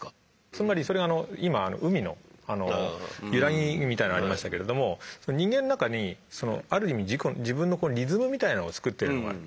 つまりそれ今「海のゆらぎ」みたいなのありましたけれども人間の中にそのある意味自分のリズムみたいなのをつくってるところがある。